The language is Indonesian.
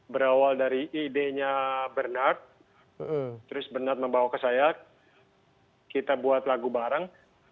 berawal dari idenya bernard terus bernat membawa ke saya kita buat lagu bareng